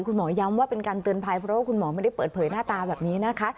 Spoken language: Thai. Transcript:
คุณหมอย้ำว่าเป็นการเตือนภัยเพราะว่าคุณหมอไม่ได้เปิดเผยหน้าตาแบบนี้นะคะ